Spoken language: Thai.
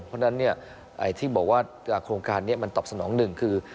เพราะฉะนั้นที่บอกว่าโครงการนี้มันตอบสนองหนึ่งคือ